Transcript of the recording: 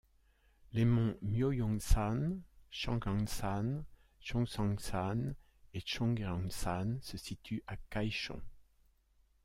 Les monts Myohyangsan, Changansan, Ch'ŏnsŏngsan et Ch'ŏngryongsan se situent à Kaechon.